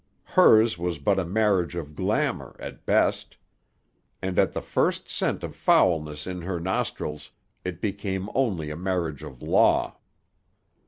Hers was but a marriage of glamour, at best. And, at the first scent of foulness in her nostrils, it became only a marriage of law.